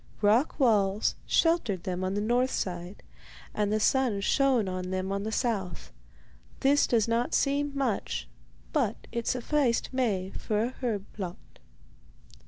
Rock walls sheltered them on the north side, and the sun shone on them on the south. This does not seem much, but it sufficed Maie for a herb plot.